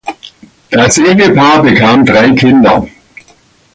Das Ehepaar bekam drei Kinder.